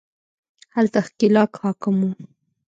هلته ښکېلاک حاکم وو